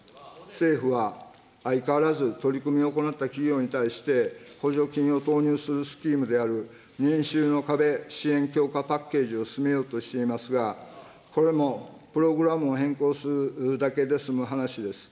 政府は相変わらず取り組みを行った企業に対して、補助金を投入するスキームである年収の壁・支援強化パッケージを進めようとしていますが、これもプログラムを変更するだけで済む話です。